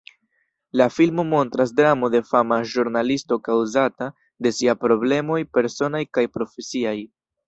La filmo montras dramo de fama ĵurnalisto kaŭzata de sia problemoj personaj kaj profesiaj.